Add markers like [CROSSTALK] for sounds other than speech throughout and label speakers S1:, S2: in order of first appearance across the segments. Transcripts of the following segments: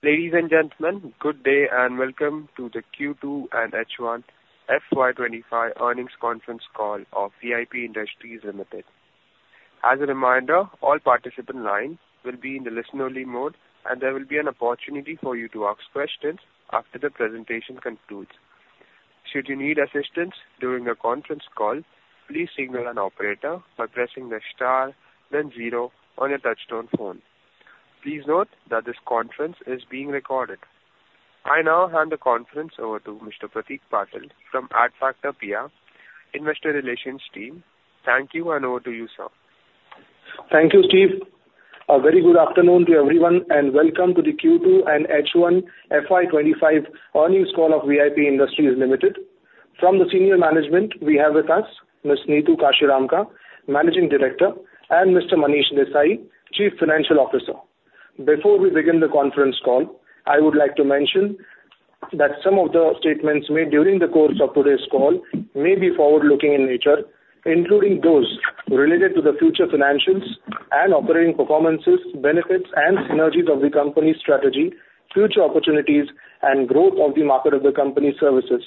S1: Ladies and gentlemen, good day and welcome to the Q2 and H1 FY 2025 Earnings Conference Call of V.I.P. Industries Limited. As a reminder, all participants' lines will be in the listen-only mode, and there will be an opportunity for you to ask questions after the presentation concludes. Should you need assistance during the conference call, please signal an operator by pressing the star, then zero on your touch-tone phone. Please note that this conference is being recorded. I now hand the conference over to Mr. Pratik Patil from Adfactor PR, Investor Relations Team. Thank you, and over to you, sir.
S2: Thank you, Steve. A very good afternoon to everyone, and welcome to the Q2 and H1 FY 2025 Earnings Call of V.I.P. Industries Limited. From the senior management, we have with us, Ms. Neetu Kashiramka, Managing Director, and Mr. Manish Desai, Chief Financial Officer. Before we begin the conference call, I would like to mention that some of the statements made during the course of today's call may be forward-looking in nature, including those related to the future financials and operating performances, benefits, and synergies of the company's strategy, future opportunities, and growth of the market of the company's services.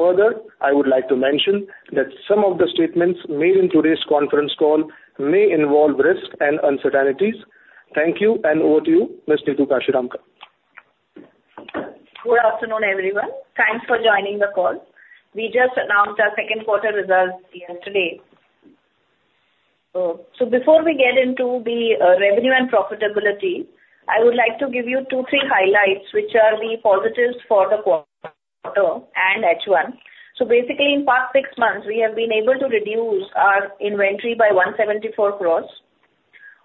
S2: Further, I would like to mention that some of the statements made in today's conference call may involve risk and uncertainties. Thank you, and over to you, Ms. Neetu Kashiramka.
S3: Good afternoon, everyone. Thanks for joining the call. We just announced our second-quarter results yesterday, so before we get into the revenue and profitability, I would like to give you two or three highlights, which are the positives for the quarter and H1. Basically, in the past six months, we have been able to reduce our inventory by 174 crores.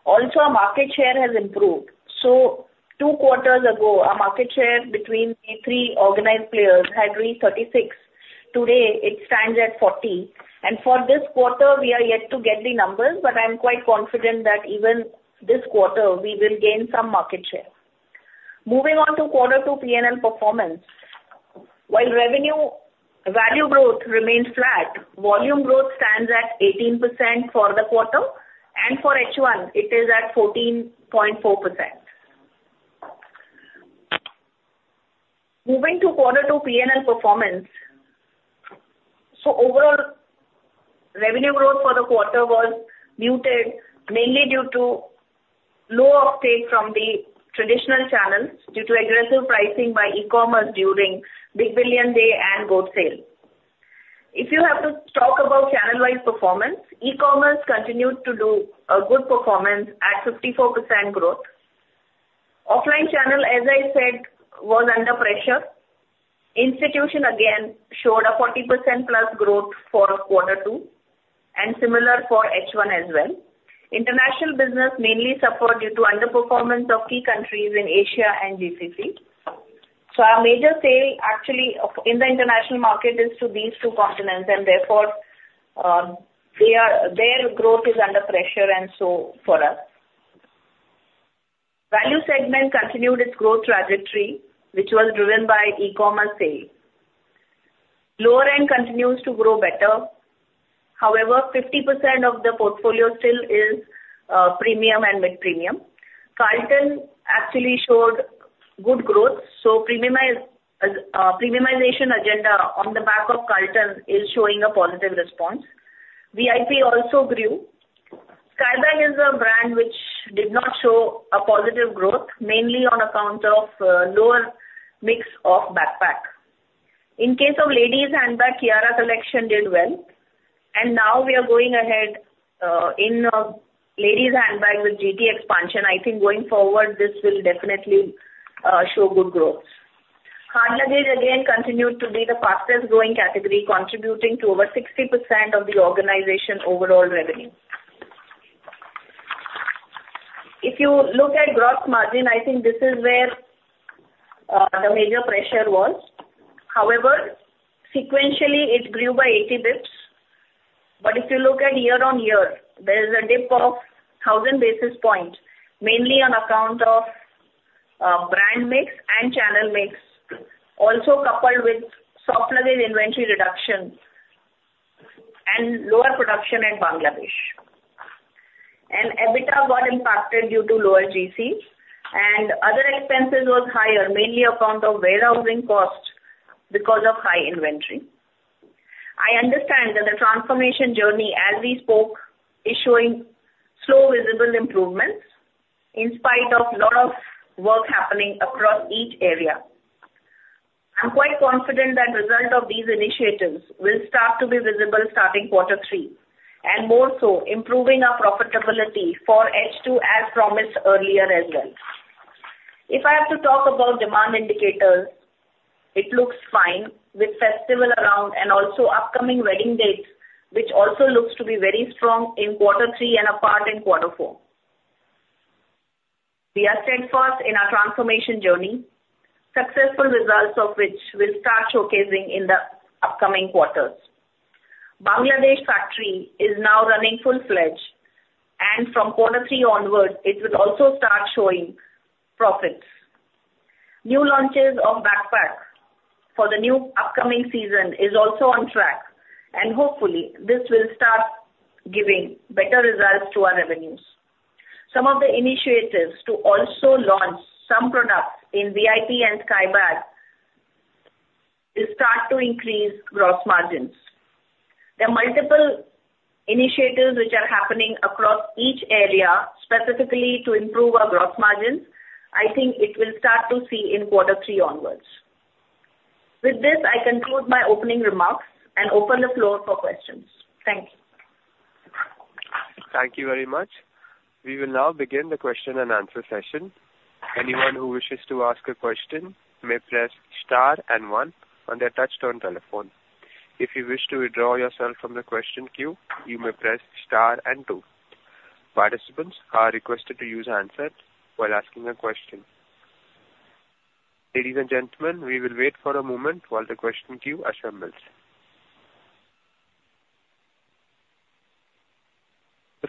S3: Also, our market share has improved, so two quarters ago, our market share between the three organized players had reached 36. Today, it stands at 40. For this quarter, we are yet to get the numbers, but I'm quite confident that even this quarter, we will gain some market share. Moving on to quarter two P&L performance. While revenue value growth remains flat, volume growth stands at 18% for the quarter, and for H1, it is at 14.4%. Moving to quarter two P&L performance, so overall revenue growth for the quarter was muted, mainly due to low uptake from the traditional channels, due to aggressive pricing by e-commerce during Big Billion Day and gold sale. If you have to talk about channel-wise performance, e-commerce continued to do a good performance at 54% growth. Offline channel, as I said, was under pressure. Institution again showed a 40% plus growth for quarter two, and similar for H1 as well. International business mainly suffered due to underperformance of key countries in Asia and GCC. Our major sale actually in the international market is to these two continents, and therefore, their growth is under pressure and so for us. Value segment continued its growth trajectory, which was driven by e-commerce sale. Lower end continues to grow better. However, 50% of the portfolio still is premium and mid-premium. Carlton actually showed good growth, so premiumization agenda on the back of Carlton is showing a positive response. V.I.P. also grew. Skybags is a brand which did not show a positive growth, mainly on account of lower mix of backpack. In case of ladies' handbag, Kiara collection did well. Now we are going ahead in ladies' handbag with GT expansion. I think going forward, this will definitely show good growth. Hard luggage again continued to be the fastest-growing category, contributing to over 60% of the organization's overall revenue. If you look at gross margin, I think this is where the major pressure was. However, sequentially, it grew by 80 bps. If you look at year-on-year, there is a dip of 1,000 basis points, mainly on account of brand mix and channel mix, also coupled with soft luggage inventory reduction and lower production in Bangladesh. EBITDA got impacted due to lower GC, and other expenses were higher, mainly on account of warehousing costs because of high inventory. I understand that the transformation journey, as we spoke, is showing slow visible improvements, in spite of a lot of work happening across each area. I'm quite confident that the result of these initiatives will start to be visible starting quarter three, and more so improving our profitability for H2, as promised earlier as well. If I have to talk about demand indicators, it looks fine with festival around and also upcoming wedding dates, which also looks to be very strong in quarter three and a part in quarter four. We are steadfast in our transformation journey, successful results of which we'll start showcasing in the upcoming quarters. Bangladesh factory is now running full-fledged, and from quarter three onward, it will also start showing profits. New launches of backpack for the new upcoming season are also on track, and hopefully, this will start giving better results to our revenues. Some of the initiatives to also launch some products in V.I.P. and Skybags will start to increase gross margins. There are multiple initiatives which are happening across each area, specifically to improve our gross margins. I think it will start to see in quarter three onwards. With this, I conclude my opening remarks and open the floor for questions. Thank you.
S1: Thank you very much. We will now begin the question-and-answer session. Anyone who wishes to ask a question may press star and one on their touch-tone telephone. If you wish to withdraw yourself from the question queue, you may press star and two. Participants are requested to use a handset while asking a question. Ladies and gentlemen, we will wait for a moment while the question queue assembles.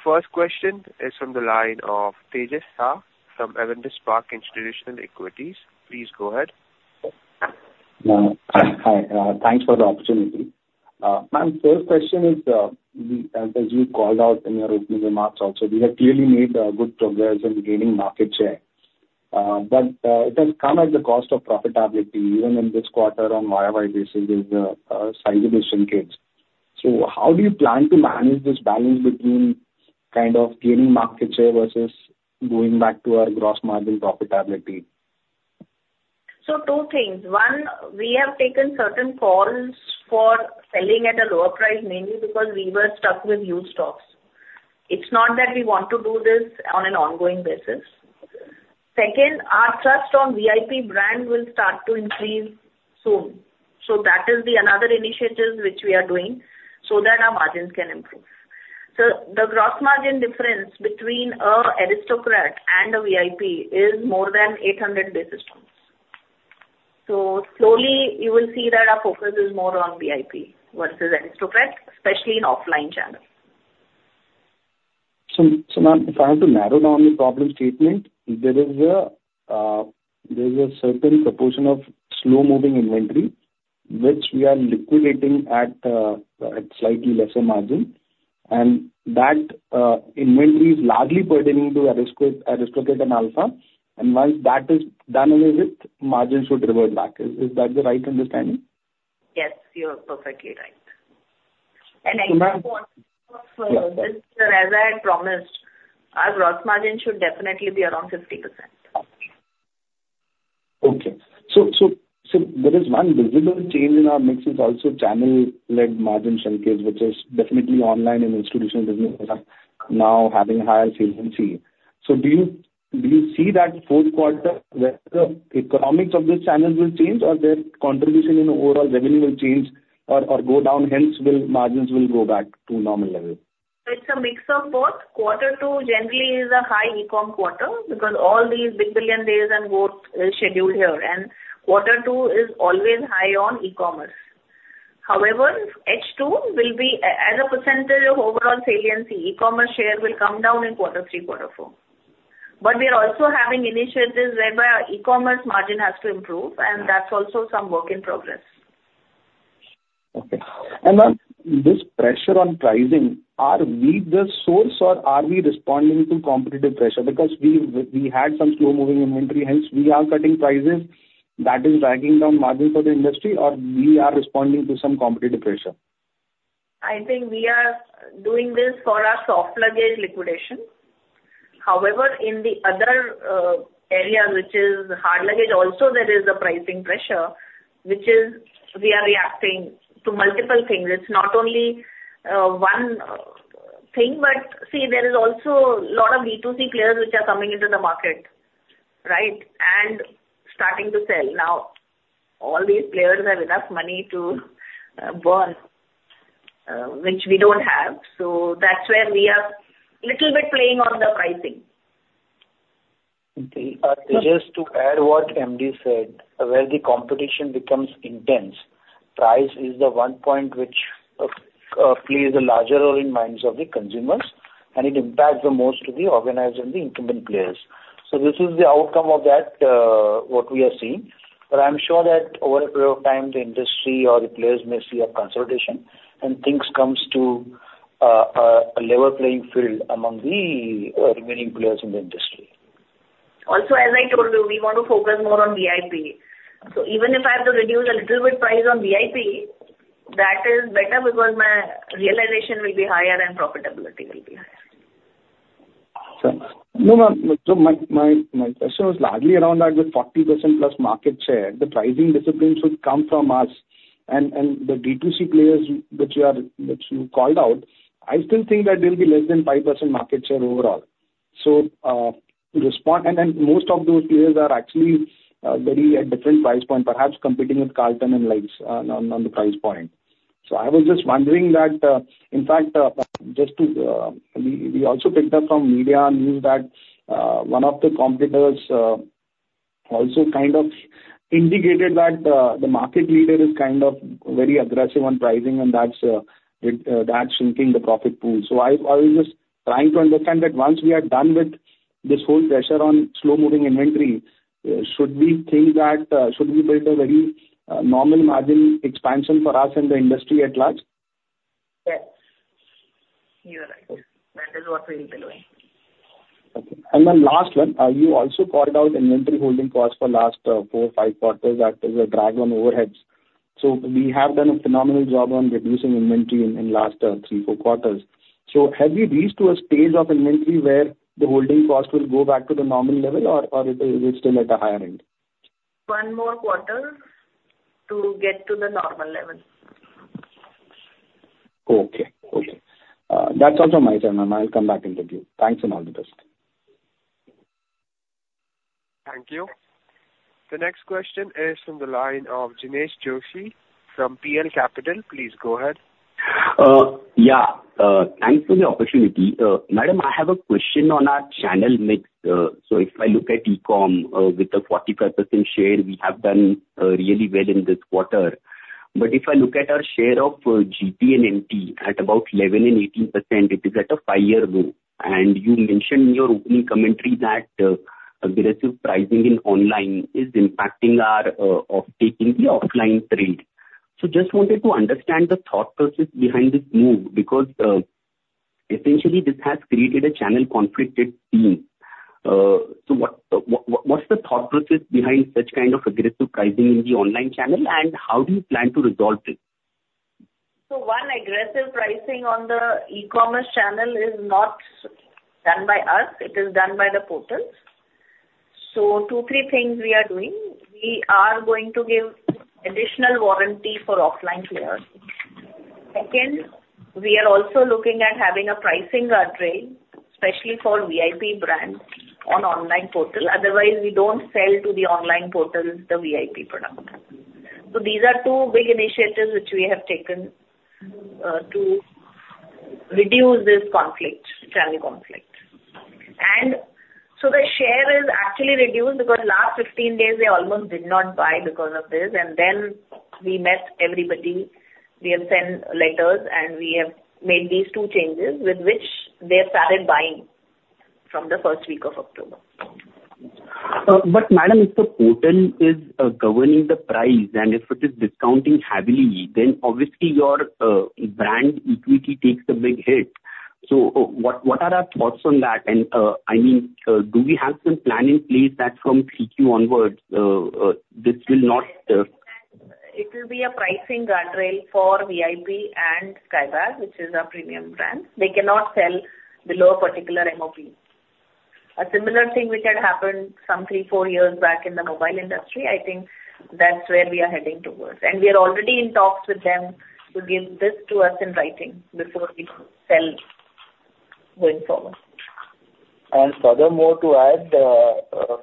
S1: The first question is from the line of Tejas Shah from Avendus Spark Institutional Equities. Please go ahead.
S4: Hi. Thanks for the opportunity. Ma'am, first question is, as you called out in your opening remarks also, we have clearly made good progress in gaining market share. It has come at the cost of profitability, even in this quarter, on YoY basis is a sizeable shrinkage. How do you plan to manage this balance between gaining market share versus going back to our gross margin profitability?
S3: Two things. One, we have taken certain calls for selling at a lower price, mainly because we were stuck with used stocks. It's not that we want to do this on an ongoing basis. Second, our thrust on V.I.P. brand will start to increase soon. That is another initiative which we are doing, so that our margins can improve. The gross margin difference between an Aristocrat and a V.I.P. is more than 800 basis points. Slowly, you will see that our focus is more on V.I.P. versus Aristocrat, especially in offline channel.
S4: Ma'am, if I have to narrow down the problem statement, there is a certain proportion of slow-moving inventory which we are liquidating at a slightly lesser margin, and that inventory is largely pertaining to Aristocrat and Alfa. Once that is done away with, margins should revert back. Is that the right understanding?
S3: Yes, you are perfectly right. I think, sorry, as I had promised, our gross margin should definitely be around 50%.
S4: Yeah, okay. There is one visible change in our mix, is also channel-led margin shrinkage, which is definitely online and institutional business now having higher sales. Do you see that fourth quarter, that the economics of this channel will change, or their contribution in overall revenue will change or go down, hence margins will go back to normal level?
S3: It's a mix of both. Quarter two generally is a high e-com quarter, because all these Big Billion Days and growth is scheduled here, and quarter two is always high on e-commerce. However, H2 will be at a percentage of overall saliency. E-commerce share will come down in quarter three, quarter four, but we are also having initiatives whereby our e-commerce margin has to improve, and that's also some work in progress.
S4: Okay. Ma'am, this pressure on pricing, are we the source or are we responding to competitive pressure? We had some slow-moving inventory, hence we are cutting prices. That is dragging down margin for the industry, or we are responding to some competitive pressure?
S3: I think we are doing this for our soft luggage liquidation. However, in the other area, which is hard luggage, also there is a pricing pressure, which is, we are reacting to multiple things. It's not only one thing, but see, there is also a lot of B2C players which are coming into the market and starting to sell. Now, all these players have enough money to burn, which we don't have, so that's where we are a little bit playing on the pricing.
S4: Okay.
S5: Just to add what M.D. said, where the competition becomes intense, price is the one point which plays a larger role in minds of the consumers, and it impacts the most of the organizers and the incumbent players. This is the outcome of that, what we are seeing. I'm sure that over a period of time, the industry or the players may see a consolidation, and things come to a level playing field among the remaining players in the industry.
S3: Also, as I told you, we want to focus more on V.I.P. Even if I have to reduce a little bit price on V.I.P., that is better because my realization will be higher and profitability will be higher.
S4: Now, ma'am, my question was largely around that, with 40%+ market share. The pricing discipline should come from us. The B2C players which you called out, I still think that there will be less than 5% market share overall. Most of those players are actually at different price points, perhaps competing with Carlton and likes on the price point. I was just wondering that, in fact, we also picked up from media news that one of the competitors also indicated that the market leader is very aggressive on pricing, and that's shrinking the profit pool. I was just trying to understand that once we are done with this whole pressure on slow-moving inventory, should we build a very normal margin expansion for us and the industry at large?
S3: Yes, you're right. That is what we'll be doing.
S4: Last one, you also called out inventory holding costs for the last four or five quarters, that is a drag on overheads. We have done a phenomenal job on reducing inventory in the last three, four quarters. Have we reached to a stage of inventory where the holding cost will go back to the normal level, or is it still at a higher end?
S3: One more quarter to get to the normal level.
S4: Okay, that's all from my side, ma'am. I'll come [back and interview]. Thanks, and all the best.
S1: Thank you. The next question is from the line of Jinesh Joshi from PL Capital. Please go ahead.
S6: Yeah, thanks for the opportunity. Madam, I have a question on our channel mix. If I look at e-com with the 45% share, we have done really well in this quarter. If I look at our share of GT and MT, at about 11% and 18%, it is at a five-year low. You mentioned in your opening commentary that aggressive pricing in online is impacting our off-taking, the offline trade, so just wanted to understand the thought process behind this move because essentially, this has created a channel conflicted theme. What's the thought process behind such kind of aggressive pricing in the online channel, and how do you plan to resolve it?
S3: One, aggressive pricing on the e-commerce channel is not done by us. It is done by the portals. Two, three things we are doing. We are going to give additional warranty for offline players. Second, we are also looking at having a pricing guardrail, especially for V.I.P. brands on online portals. Otherwise, we don't sell to the online portals the V.I.P. product. These are two big initiatives which we have taken to reduce this channel conflict. The share is actually reduced because last 15 days, they almost did not buy because of this. We met everybody. We have sent letters, and we have made these two changes, with which they started buying from the first week of October.
S6: Madam, if the portal is governing the price and if it is discounting heavily, then obviously your brand equity takes a big hit. What are our thoughts on that? Do we have some plan in place that from Q2 onwards, this will not? [AUDIO DISTORTION]
S3: It will be a pricing guardrail for V.I.P. and Skybags, which is our premium brand. They cannot sell below a particular MOP. A similar thing which had happened some three, four years back in the mobile industry, I think that's where we are heading towards. We are already in talks with them, to give this to us in writing before we sell going forward.
S5: Furthermore, to add,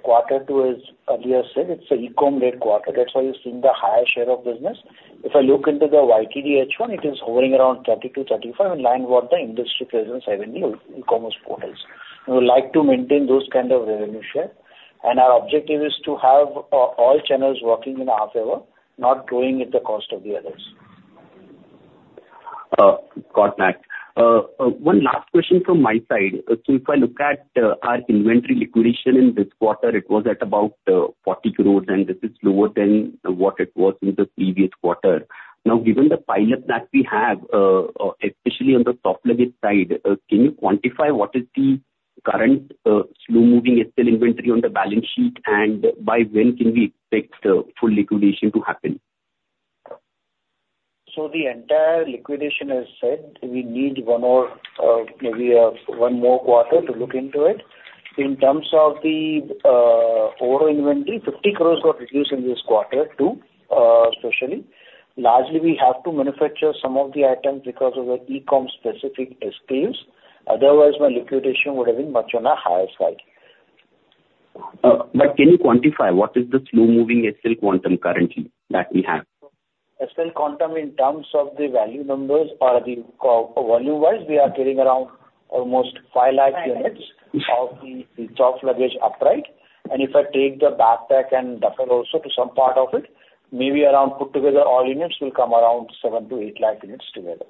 S5: quarter two is, as you said, it's an e-com-led quarter. That's why you've seen the higher share of business. If I look into the YTD H1, it is hovering around 32-35, in line with what the industry presents heavily on e-commerce portals. We would like to maintain those kind of revenue share. Our objective is to have all channels working in our favour, not going at the cost of the others.
S6: Got that. One last question from my side. If I look at our inventory liquidation in this quarter, it was at about 40 crores, and this is lower than what it was in the previous quarter. Now, given the pilot that we have, especially on the soft luggage side, can you quantify, what is the current slow-moving SL inventory on the balance sheet, and by when can we expect full liquidation to happen?
S5: The entire liquidation has said, we need one more quarter to look into it. In terms of the overall inventory, 50 crores got reduced in this quarter too especially. Largely, we have to manufacture some of the items, because of the e-com specific [SKUs]. Otherwise, my liquidation would have been much on the higher side.
S6: Can you quantify, what is the slow-moving SL quantum currently that we have?
S5: Sales quantum in terms of the value numbers or the volume-wise, we are getting around almost 5 lakh units of the soft luggage upright.
S3: [AUDIO DISTORTION]
S5: If I take the backpack and duffel also to some part of it, maybe around put together all units, it will come around 7-8 lakh units together.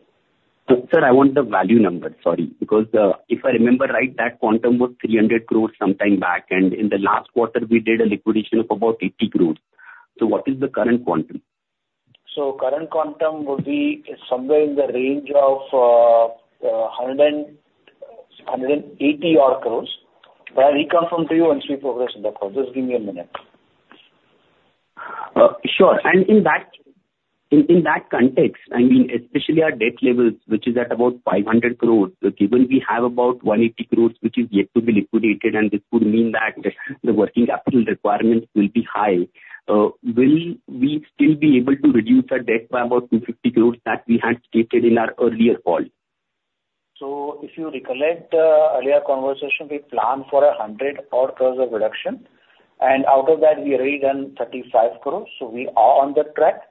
S6: Sir, I want the value number, sorry. If I remember right, that quantum was 300 crores sometime back, and in the last quarter, we did a liquidation of about 80 crores. What is the current quantum?
S5: Current quantum would be somewhere in the range of 180 crores, but I'll reconfirm to you once we progress in the process. Just give me a minute.
S6: Sure. In that context, especially our debt level, which is at about 500 crores, given we have about 180 crores which is yet to be liquidated, and this would mean that the working capital requirements will be high, will we still be able to reduce our debt by about 250 crores, that we had stated in our earlier call?
S5: If you recollect the earlier conversation, we planned for 100 crores of reduction. Out of that, we've already done 35 crores, so we are on the track.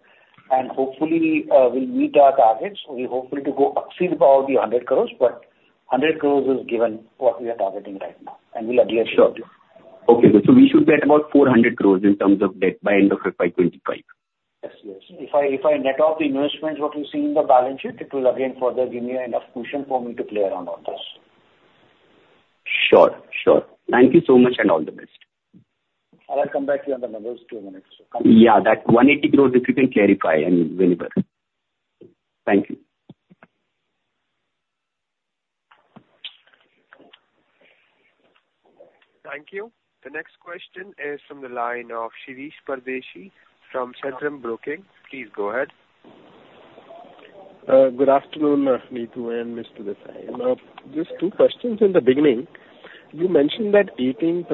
S5: Hopefully, we'll meet our targets. We're hopefully to exceed about the 100 crores, but 100 crores is given what we are targeting right now and we'll adhere to it.
S6: Sure, okay. We should be at about 400 crores in terms of debt by end of 2025.
S5: Yes. If I net out the investments, what we see in the balance sheet, it will again further give me enough cushion for me to play around on this.
S6: Sure. Thank you so much, and all the best.
S5: I'll come back to you on the numbers in two minutes.
S6: Yeah. That 180 crores, if you can clarify and deliver it. Thank you.
S1: Thank you. The next question is from the line of Shirish Pardeshi from Centrum Broking. Please go ahead.
S7: Good afternoon, Neetu and Mr. Desai. Just two questions. In the beginning, you mentioned that 18%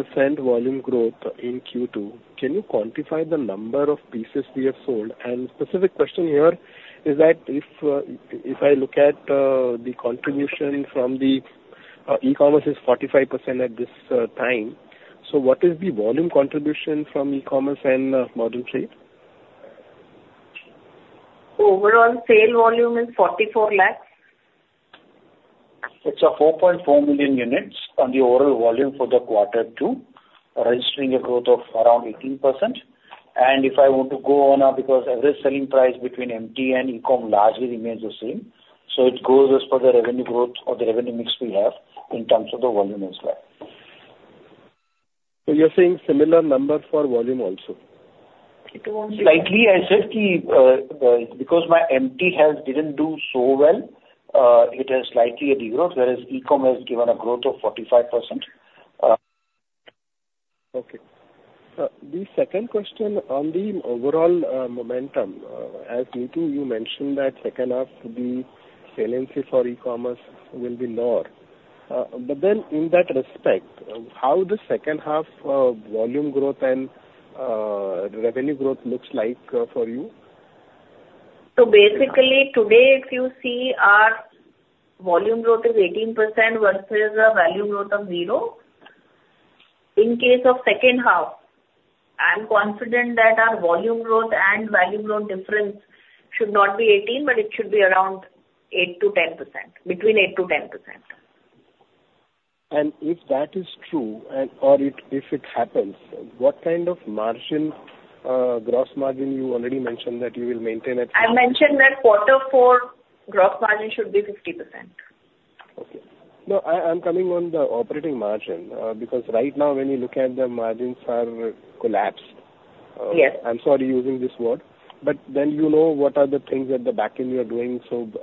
S7: volume growth in Q2. Can you quantify the number of pieces we have sold? Specific question here is that, if I look at the contribution from the e-commerce, it's 45% at this time,. What is the volume contribution from e-commerce and modern trade?
S3: Overall, sale volume is 44 lakhs.
S5: It's 4.4 million units on the overall volume for the quarter two, registering a growth of around 18%. If I want to go on, because every selling price between MT and e-com largely remains the same, so it goes as per the revenue growth or the revenue mix we have in terms of the volume as well.
S7: You're saying similar number for volume also?
S3: [AUDIO DISTORTION]
S5: Slightly. I said because my MT health didn't do so well, it has slightly a degrowth, whereas e-com has given a growth of 45%.
S7: Okay. The second question on the overall momentum, as you mentioned that second half to be, the saliency for e-commerce will be lower. In that respect, how will the second half volume growth and revenue growth look like for you?
S3: Basically, today, if you see our volume growth is 18% versus a value growth of 0%. In case of second half, I'm confident that our volume growth and value growth difference should not be 18, but it should be between 8%-10%.
S7: If that is true or if it happens, what kind of gross margin you already mentioned that you will maintain at?
S3: I mentioned that quarter four, gross margin should be 50%.
S7: Okay. No, I'm coming on the operating margin, because right now when you look at, the margins are collapsed.
S3: Yes.
S7: I'm sorry using this word, but then you know what are the things at the back end you are doing.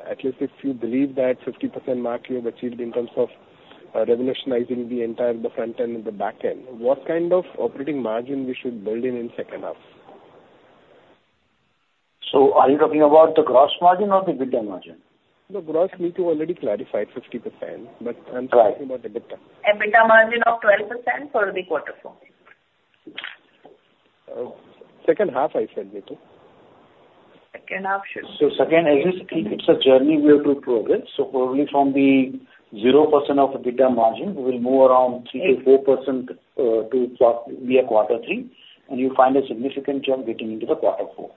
S7: At least if you believe that 50% mark you have achieved in terms of revolutionizing the entire front end and the back end, what kind of operating margin we should build in second half?
S5: Are you talking about the gross margin or the EBITDA margin?
S7: The gross, you already clarified, 50%, but I'm talking about the EBITDA.
S3: An EBITDA margin of 12% for the quarter four.
S7: Second half, I said, V.I.P.
S3: Second half should be. [AUDIO DISTORTION]
S5: Second, as we speak, it's a journey we have to progress. Probably from the 0% of EBITDA margin, we will move around 3%-4% via quarter three, and you'll find a significant jump getting into quarter four.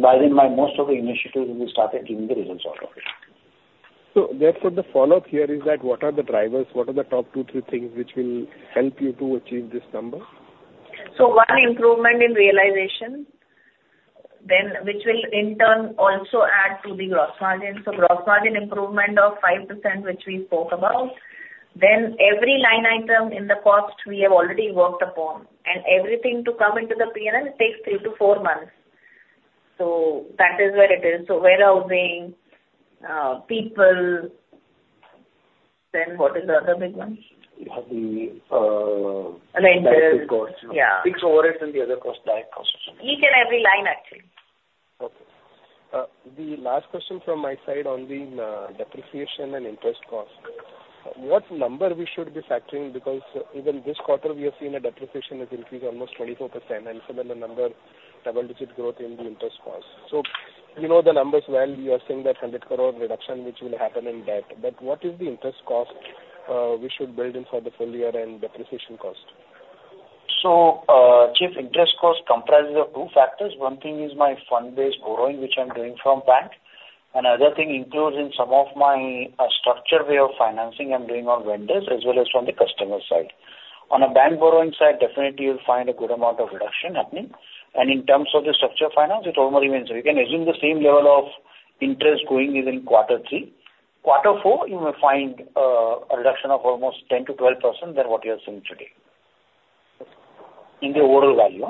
S5: By then, by most of the initiatives, we will start taking the results. [AUDIO DISTORTION]
S7: Therefore, the follow-up here is that, what are the drivers? What are the top two, three things which will help you to achieve this number?
S3: One improvement in realization, which will in turn also add to the gross margin, so gross margin improvement of 5%, which we spoke about. Every line item in the cost, we have already worked upon. Everything to come into the P&L, it takes three to four months. That is where it is, so warehousing, people. What is the other big one?
S5: You have the. [AUDIO DISTORTION]
S3: Rentals.
S5: Rental costs.
S3: Yeah.
S5: Fixed overhead and the other cost, direct costs.
S3: Each and every line actually.
S7: Okay. The last question from my side on the depreciation and interest cost. What number we should be factoring? Even this quarter, we have seen a depreciation has increased almost 24%. The number, double-digit growth in the interest cost, so you know the numbers well. You are saying that 100 crore reduction, which will happen in debt, but what is the interest cost we should build in for the full year and depreciation cost?
S5: Chief, interest cost comprises of two factors. One thing is my fund-based borrowing, which I'm doing from bank. Another thing includes in some of my structured way of financing I'm doing on vendors, as well as from the customer side. On a bank borrowing side, definitely you'll find a good amount of reduction happening. In terms of the structured finance, it almost means we can assume the same level of interest going within quarter three. Quarter four, you may find a reduction of almost 10%-12% than what you are seeing today in the overall value.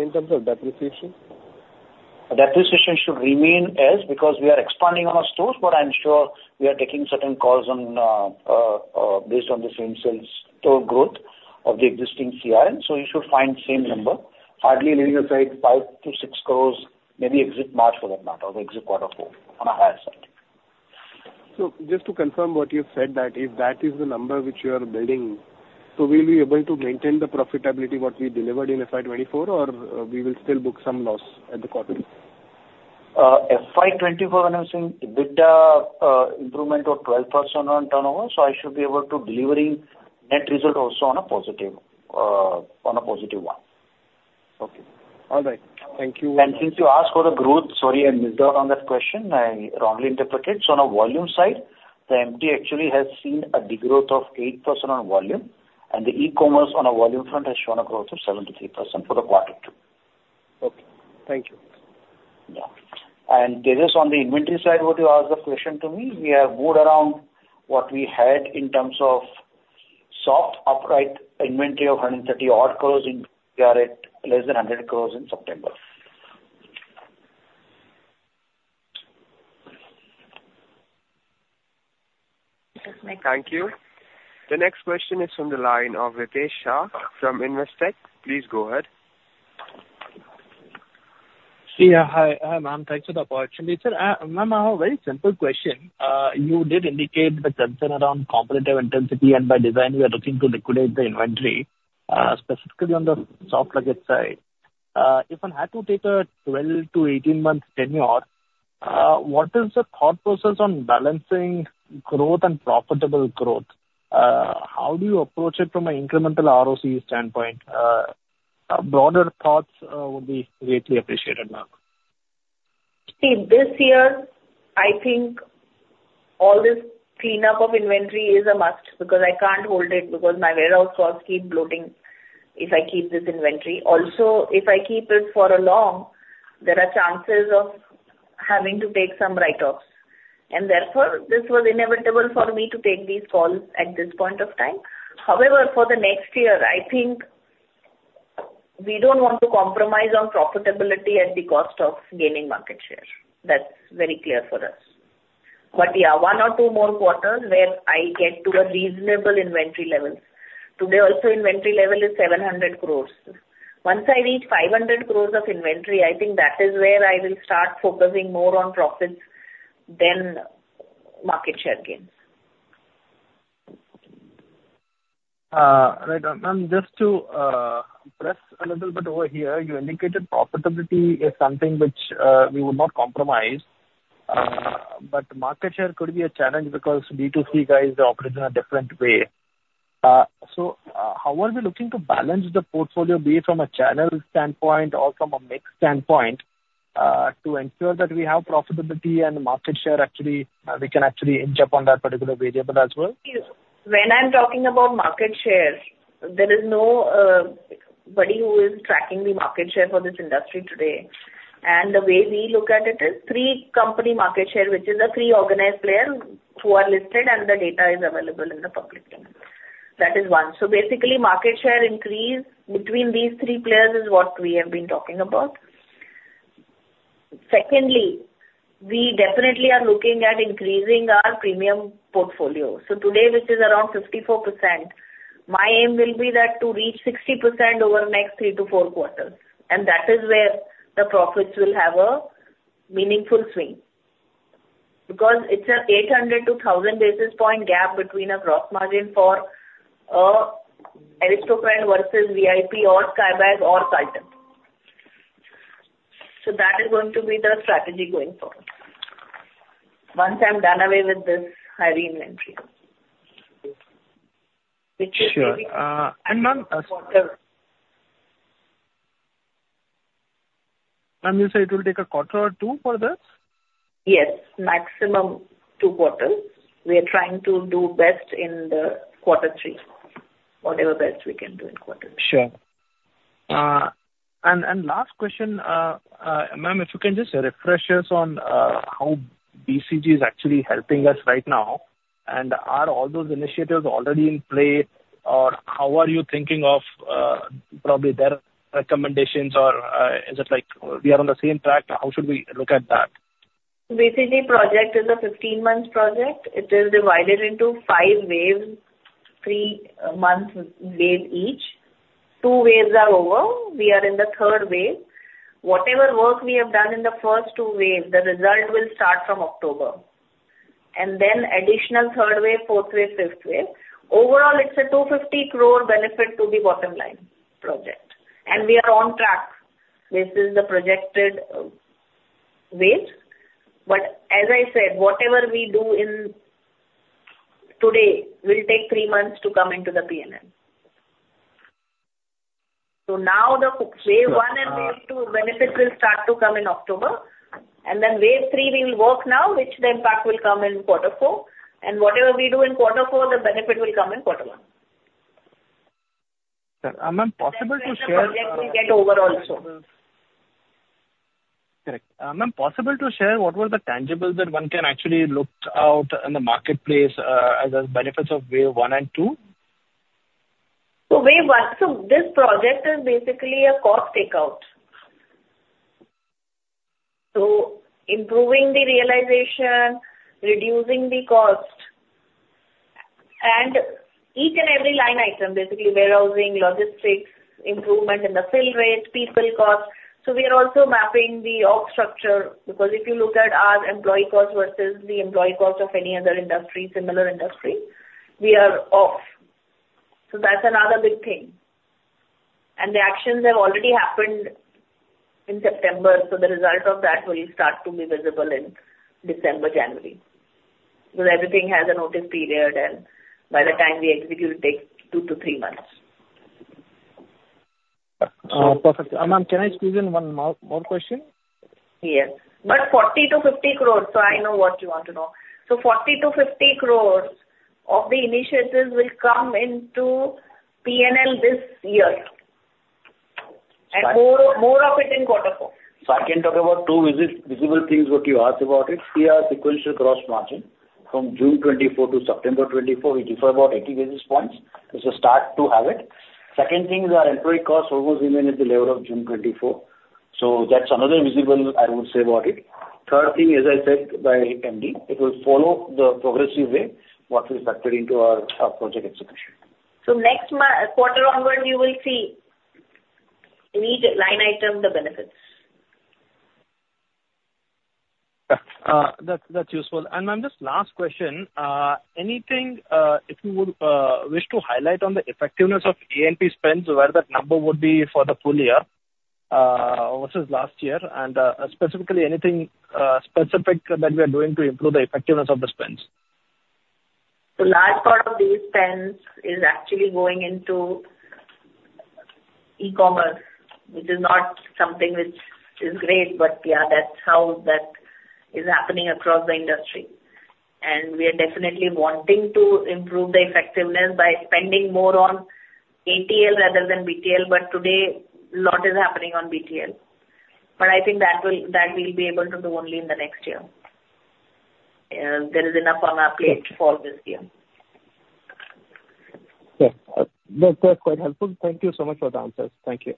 S7: In terms of depreciation?
S5: Depreciation should remain as, because we are expanding on our stores, but I'm sure we are taking certain calls based on the same sales growth of the existing CRN. You should find the same number. Hardly leaving aside 5-6 crores, maybe exit March for that matter or exit quarter four on a higher side.
S7: Just to confirm what you've said, that if that is the number which you are building, so will we be able to maintain the profitability, what we delivered in FY 2024 or we will still book some loss at the quarter?
S5: FY 2024, when I'm saying EBITDA improvement of 12% on turnover, so I should be able to deliver net result also on a positive one.
S7: Okay, all right. Thank you.
S5: Since you asked for the growth, sorry, I missed out on that question. I wrongly interpreted. On a volume side, the MT actually has seen a degrowth of 8% on volume. The e-commerce on a volume front has shown a growth of 73% for the quarter two.
S7: Okay. Thank you.
S5: Yeah. This is on the inventory side, what you asked the question to me. We have moved around what we had in terms of soft upright inventory of 130 crores, and we are at less than 100 crores in September.
S3: [AUDIO DISTORTION]
S1: Thank you. The next question is from the line of Ritesh Shah from Investec. Please go ahead.
S8: [AUDIO DISTORTION] Yeah. Hi, ma'am. Thanks for the opportunity. Sir, ma'am, I have a very simple question. You did indicate that the concern around competitive intensity, and by design, we are looking to liquidate the inventory, specifically on the soft luggage side. If I had to take a 12- to 18-month tenure, what is the thought process on balancing growth and profitable growth? How do you approach it from an incremental ROC standpoint? Broader thoughts would be greatly appreciated, ma'am.
S3: See, this year, I think all this cleanup of inventory is a must, because I can't hold it because my warehouse costs keep bloating if I keep this inventory. Also, if I keep it for long, there are chances of having to take some write-offs. Therefore, this was inevitable for me to take these calls at this point of time. However, for the next year, I think we don't want to compromise on profitability at the cost of gaining market share. That's very clear for us. Yeah, one or two more quarters, where I get to a reasonable inventory level. Today, also inventory level is 700 crores. Once I reach 500 crores of inventory, I think that is where I will start focusing more on profits than market share gains.
S8: Right. Just to press a little bit over here, you indicated profitability is something which we would not compromise, but market share could be a challenge because B2C guys operate in a different way. How are we looking to balance the portfolio, be it from a channel standpoint or from a mix standpoint, to ensure that we have profitability and market share, actually we can actually inch up on that particular variable as well?
S3: When I'm talking about market share, there is nobody who is tracking the market share for this industry today. The way we look at it is, three company market share, which is a three-organized player who are listed and the data is available in the public. That is one, so basically, market share increase between these three players is what we have been talking about. Secondly, we definitely are looking at increasing our premium portfolio, so today, which is around 54%, my aim will be to reach 60% over the next three to four quarters. That is where the profits will have a meaningful swing, because it's an 800-1,000 basis points gap between a gross margin for Aristocrat versus VIP or Skybags or Carlton, so that is going to be the strategy going forward. Once I'm done away with this high inventory, which is. [AUDIO DISTORTION]
S8: Sure. Ma'am, you said it will take a quarter or two for this?
S3: Yes, maximum two quarters. We are trying to do best in the quarter three, whatever best we can do in quarter three.
S8: Sure. Last question, ma'am, if you can just refresh us on how BCG is actually helping us right now. Are all those initiatives already in play, or how are you thinking of probably their recommendations or is it like we are on the same track? How should we look at that?
S3: Basically, the project is a 15-month project. It is divided into five waves, three-month wave each. Two waves are over. We are in the third wave. Whatever work we have done in the first two waves, the result will start from October and then additional third wave, fourth wave, fifth wave. Overall, it's a 250 crore benefit to the bottom line project, and we are on track. This is the projected wave. As I said, whatever we do today will take three months to come into the P&L. Now, the wave one and wave two benefits will start to come in October. Wave three, we will work now, which the impact will come in quarter four. Whatever we do in quarter four, the benefit will come in quarter one. [AUDIO DISTORTION]
S8: Correct. Ma'am, possible to share, what were the tangibles that one can actually look out in the marketplace as benefits of wave one and two?
S3: Wave one, so this project is basically a cost takeout, so improving the realization, reducing the cost, each and every line item, basically warehousing, logistics, improvement in the fill rate, people cost. We are also mapping the org structure, because if you look at our employee cost versus the employee cost of any other industry, similar industry, we are off. That's another big thing. The actions have already happened in September, so the result of that will start to be visible in December, January, because everything has a notice period, and by the time we execute, it takes two to three months.
S8: Perfect. Ma'am, can I squeeze in one more question?
S3: Yes. 40-50 crore, so I know what you want to know. 40-50 crore of the initiatives will come into P&L this year, and more of it in quarter four.
S5: I can talk about two visible things, what you asked about it. See our sequential gross margin from June 2024 to September 2024, which is about 80 basis points. It's a start to have it. Second thing is our employee cost almost remains at the level of June 2024. That's another visible, I would say, about it. Third thing, as said by MD, it will follow the progressive way, what we factored into our project execution.
S3: Next quarter onward, you will see each line item, the benefits.
S8: That's useful. Ma'am, just last question. Anything, if you would wish to highlight on the effectiveness of E&P spends, where that number would be for the full year versus last year? Specifically, anything specific that we are doing to improve the effectiveness of the spends?
S3: The large part of these spends is actually going into e-commerce, which is not something which is great, but yeah, that's how that is happening across the industry. We are definitely wanting to improve the effectiveness, by spending more on ATL rather than BTL. Today, a lot is happening on BTL I think that we'll be able to do only in the next year. There is enough on our plate for this year.
S8: Yes, that's quite helpful. Thank you so much for the answers. Thank you.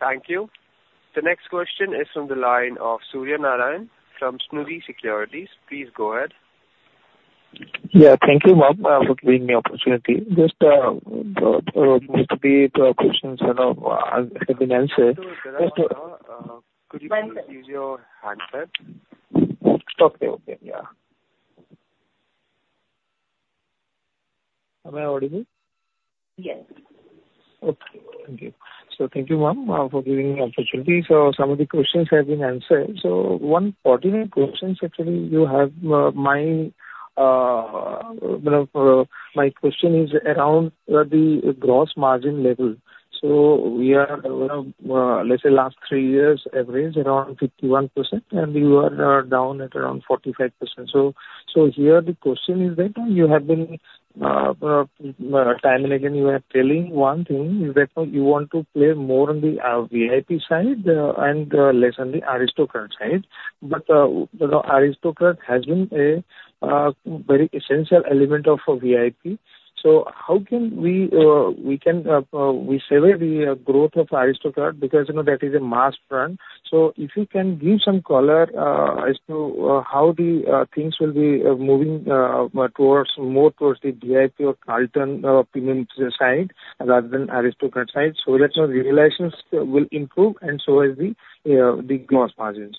S1: Thank you. The next question is from the line of Surya Narayan from Sunidhi Securities. Please go ahead.
S9: Yeah. Thank you, ma'am for giving me the opportunity. Just a question, so I have an answer. Just
S1: [AUDIO DISTORTION] could you please use your handset?
S9: [AUDIO DISTORTION] Okay, yeah. Am I audible?
S3: Yes.
S9: Okay, thank you. Thank you, ma'am for giving me the opportunity. Some of the questions have been answered. One of my pertinent questions actually I have, my question is around the gross margin level. We are, let's say, last three years average around 51%, and we were down at around 45%. Here, the question is that, time and again, you are telling one thing, that you want to play more on the V.I.P side and less on the Aristocrat side. Aristocrat has been a very essential element of VIP. How can we sustain the growth of Aristocrat, because that is a mass brand? If you can give some color as to how the things will be moving more towards the V.I.P or Carlton premium side rather than Aristocrat side, so that the realizations will improve and so as the gross margins.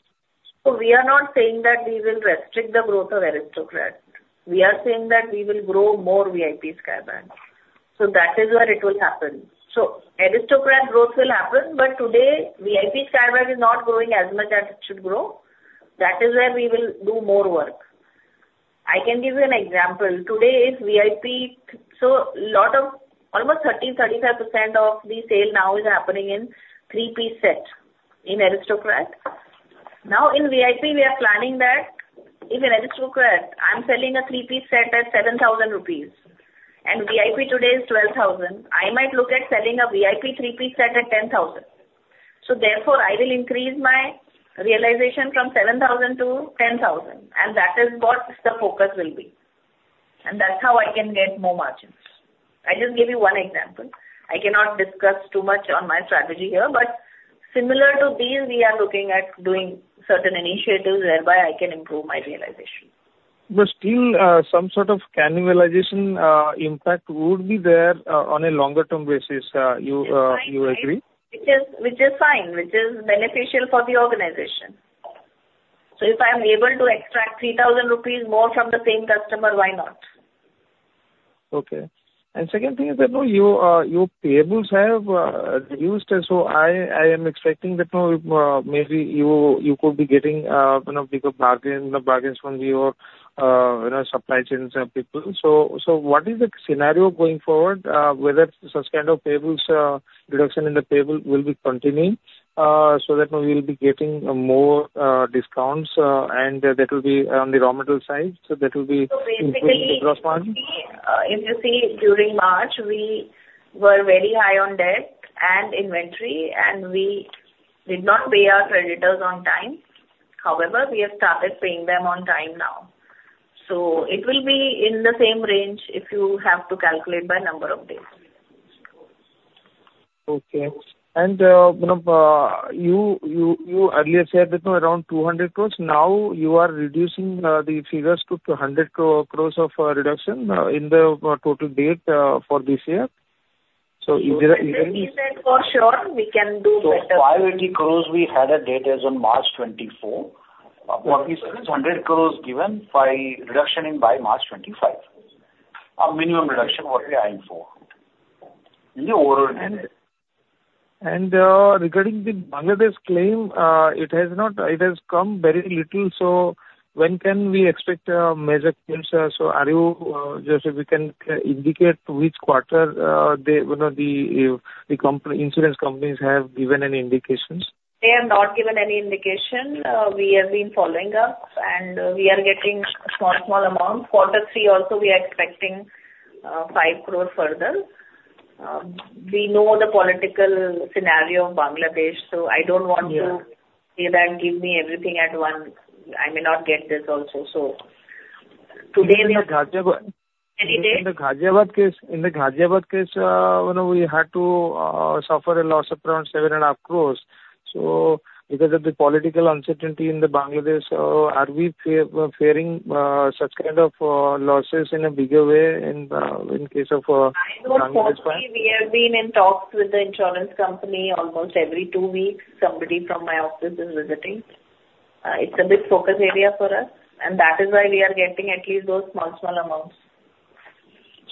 S3: We are not saying that we will restrict the growth of Aristocrat. We are saying that we will grow more VIP Skybags, so that is where it will happen. Aristocrat growth will happen, but today, VIP Skybags is not growing as much as it should grow. That is where we will do more work. I can give you an example. Today, almost 30%-35% of the sale now is happening in three-piece set in Aristocrat. Now, in V.I.P, we are planning that if in Aristocrat, I'm selling a three-piece set at 7,000 rupees, and V.I.P today is 12,000, I might look at selling a V.I.P three-piece set at 10,000. Therefore, I will increase my realization from 7,000 to 10,000, and that is what the focus will be. That's how I can get more margins. I just gave you one example. I cannot discuss too much on my strategy here, but similar to these, we are looking at doing certain initiatives whereby I can improve my realization.
S9: Still, some cannibalization impact would be there on a longer-term basis. You agree?
S3: Which is fine, which is beneficial for the organization. If I'm able to extract 3,000 rupees more from the same customer, why not?
S9: Okay. The second thing is that, your payables have reduced, and so I am expecting that maybe you could be getting bigger bargains from your supply chains and people. What is the scenario going forward, whether such kind of payables reduction in the payable will be continuing, so that we will be getting more discounts and that will be on the raw metal side, so that will be the gross margin?
S3: Basically, if you see, during March, we were very high on debt and inventory, and we did not pay our creditors on time. However, we have started paying them on time now, so it will be in the same range if you have to calculate by number of days.
S9: Okay. Ma'am, you earlier said that around 200 crores. Now, you are reducing the figures to 200 crores of reduction in the total debt for this year.
S3: [AUDIO DISTORTION] for sure, we can do better.
S5: 580 crores we had at date as on March 2024, what we said is 100 crores given by reduction in by March 2025, a minimum reduction, what we are aiming for in the overall end.
S9: Regarding the Bangladesh claim, it has come very little. When can we expect major claims? Just if we can indicate which quarter the insurance companies have given any indications.
S3: They have not given any indication. We have been following up, and we are getting small, small amounts. Quarter three also, we are expecting 5 crores further. We know the political scenario of Bangladesh, so I don't want to see that, give me everything at once. I may not get this also. Today, we are. [AUDIO DISTORTION]
S9: In the Ghaziabad case, we had to suffer a loss of around 7.5 crore, so because of the political uncertainty in Bangladesh, are we fearing such kind of losses in a bigger way in case of? [AUDIO DISTORTION]
S3: We have been in talks with the insurance company almost every two weeks. Somebody from my office is visiting. It's a big focus area for us, and that is why we are getting at least those small, small amounts.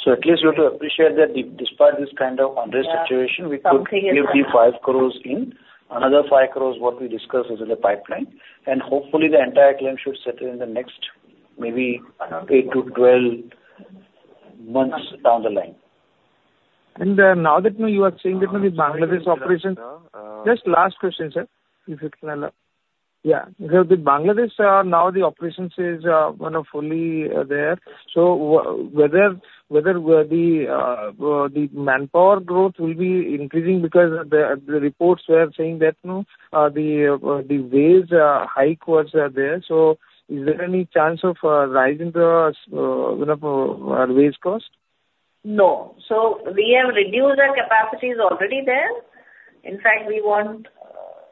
S5: At least you have to appreciate that despite this kind of unrest situation, we could give the 5 crores in. Another 5 crores, what we discussed as in the pipeline. Hopefully, the entire claim should settle in the next maybe eight to 12 months down the line. [AUDIO DISTORTION]
S9: Just last question, sir, if you can allow.
S5: Yeah.
S9: The Bangladesh, now the operations is fully there. Whether the manpower growth will be increasing because the reports were saying that the wage hike was there, so is there any chance of rising the wage cost?
S3: No, so we have reduced our capacity already there. In fact, we want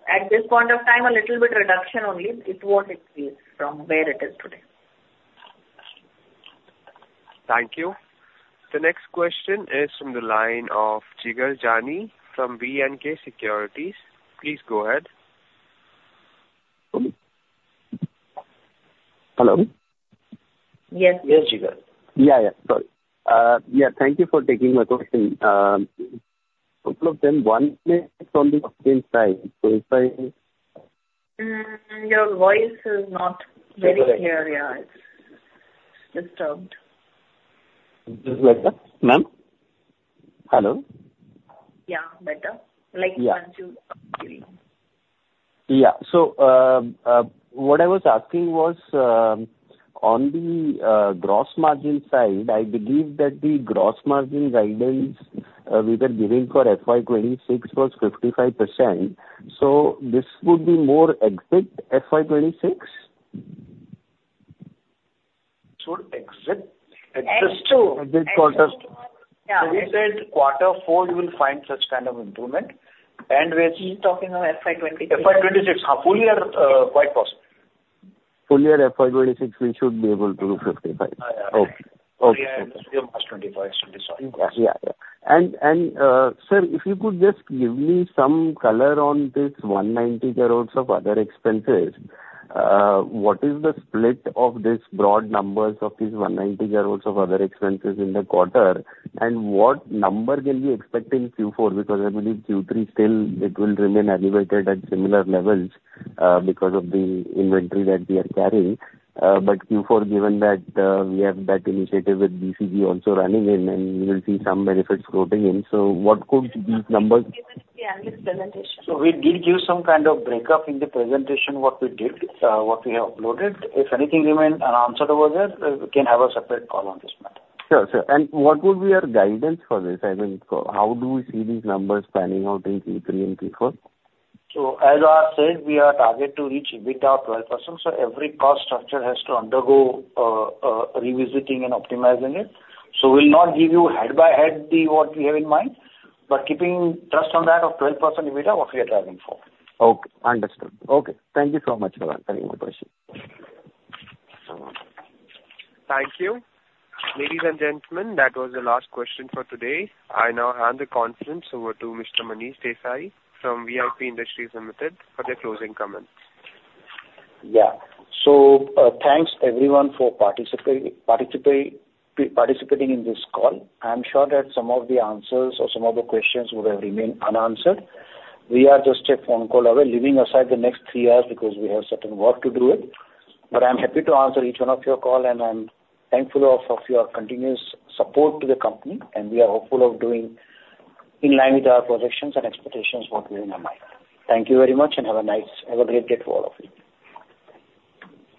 S3: at this point of time, a little bit reduction only. It won't increase from where it is today.
S1: Thank you. The next question is from the line of Jigar Jani from B&K Securities. Please go ahead.
S10: Hello?
S3: Yes.
S5: Yes, Jigal.
S10: Yeah. Sorry, yeah. Thank you for taking my question. Couple of them, one is on the inside. [AUDIO DISTORTION]
S3: Your voice is not very clear. Yeah, it's disturbed.
S10: Is it better, ma'am? Hello?
S3: Yeah, better. [AUDIO DISTORTION]
S10: Yeah. What I was asking was, on the gross margin side, I believe that the gross margin guidance we were giving for FY 2026 was 55%. This would be more, exit FY 2026?
S5: [AUDIO DISTORTION]
S3: Yeah.
S10: We said quarter four, you will find such kind of improvement, and we are still talking on FY 2026.
S5: FY 2026, full year quite possible. Full year FY 2026, we should be able to do 55.
S10: Okay.
S5: [AUDIO DISTORTION] Yeah.
S10: Sir, if you could just give me some color on this 190 crores of other expenses, what is the split of these broad numbers of these 190 crores of other expenses in the quarter? What number can you expect in Q4? I believe Q3 still, it will remain elevated at similar levels because of the inventory that we are carrying. Q4, given that we have that initiative with BCG also running in, and we will see some benefits floating in.
S3: [AUDIO DISTORTION] the analyst presentation.
S5: We did give some kind of break-up in the presentation, what we did, what we have uploaded. If anything remains unanswered over there, we can have a separate call on this matter.
S10: Sure. What would be our guidance for this? I mean, how do we see these numbers panning out in Q3 and Q4?
S5: As I said, we are targeted to reach EBITDA of 12%, so every cost structure has to undergo revisiting and optimizing it. We'll not give you head-by-head what we have in mind, but keeping trust on that of 12% EBITDA, what we are targeting for.
S10: Okay, understood. Okay, thank you so much for answering my question.
S5: [AUDIO DISTORTION]
S1: Thank you. Ladies and gentlemen, that was the last question for today. I now hand the conference over to Mr. Manish Desai from V.I.P. Industries Limited for their closing comments.
S5: Yeah, so thanks everyone for participating in this call. I'm sure that some of the answers or some of the questions would have remained unanswered. We are just a phone call away, leaving aside the next three hours because we have certain work to do. I'm happy to answer each one of your call, and I'm thankful of your continuous support to the company. We are hopeful of doing in line with our projections, and expectations what we have in mind. Thank you very much, and have a great day to all of you.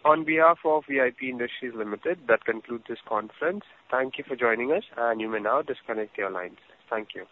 S1: On behalf of V.I.P. Industries Limited, that concludes this conference. Thank you for joining us, and you may now disconnect your lines. Thank you.